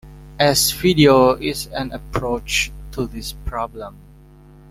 S-Video is an approach to this problem.